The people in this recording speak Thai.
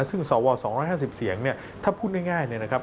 ซึ่งสว๒๕๐เสียงถ้าพูดง่ายนะครับ